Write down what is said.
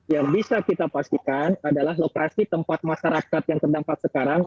yang bisa kita pastikan adalah lokasi tempat masyarakat yang terdampak sekarang